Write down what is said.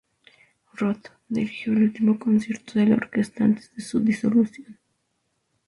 Roth dirigió el último concierto de la orquesta antes de su disolución.